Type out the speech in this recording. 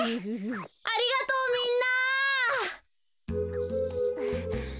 ありがとうみんな。